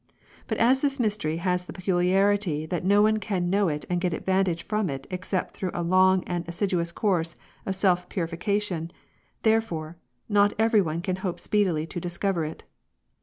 But as this mystery has the peculiarity that no one can know it and get advantage from it except through a long and assiduous course of self purification, therefore, not every one can hope speedily to discover it.